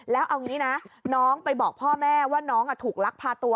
แล้วเอางี้นะน้องไปบอกพ่อแม่ว่าน้องถูกลักพาตัว